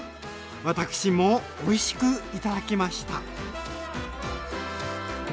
私もおいしく頂きました。